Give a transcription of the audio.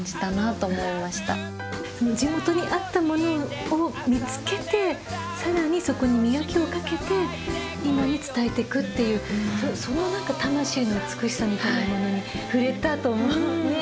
地元にあったものを見つけて更にそこに磨きをかけて今に伝えていくっていう魂の美しさみたいなものに触れたと思うね。